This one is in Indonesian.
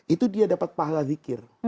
itu dia dapat pahala zikir